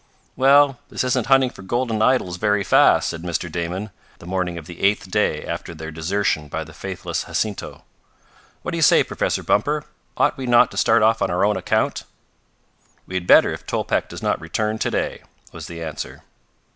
"Well, this isn't hunting for golden idols very fast," said Mr. Damon, the morning of the eighth day after their desertion by the faithless Jacinto. "What do you say, Professor Bumper; ought we not to start off on our own account?" "We had better if Tolpec does not return today," was the answer.